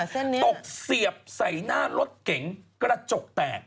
เส้นนี้ตกเสียบใส่หน้ารถเก๋งกระจกแตก